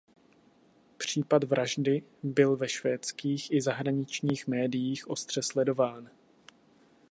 Případ vraždy byl ve švédských i zahraničních médiích ostře sledován.